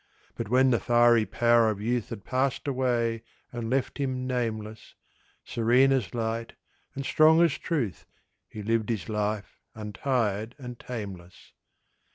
But when the fiery power of youth Had passed away and left him nameless, Serene as light, and strong as truth, He lived his life, untired and tameless.